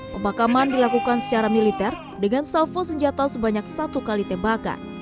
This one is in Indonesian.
pemakaman dilakukan secara militer dengan salvo senjata sebanyak satu kali tembakan